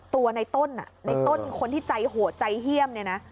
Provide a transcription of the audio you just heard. ตัวในต้นในต้นคนที่ใจโหดใจเฮี่ยมเนี่ยนะ